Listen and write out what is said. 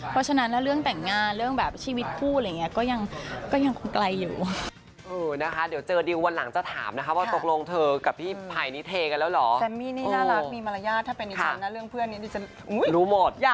เพราะฉะนั้นแล้วเรื่องแต่งงานเรื่องแบบชีวิตคู่อะไรอย่างนี้ก็ยังคงไกลอยู่